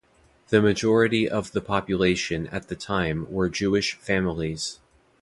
The majority of the population at the time were Jewish families.